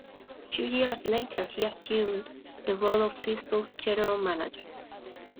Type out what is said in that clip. Two years later he assumed the role of Thistle's general manager.